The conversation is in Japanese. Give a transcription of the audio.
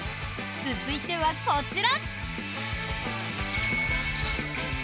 続いてはこちら！